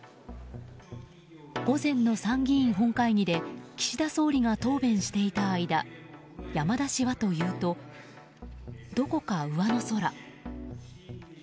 午前の参議院本会議で岸田総理が答弁していた間山田氏はというと、どこか上の空。